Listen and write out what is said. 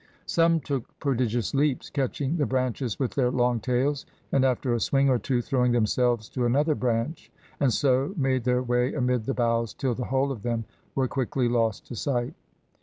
Some took prodigious leaps, catching the branches with their long tails, and, after a swing or two, throwing themselves to another branch, and so made their way amid the boughs till the whole of them were quickly lost to sight.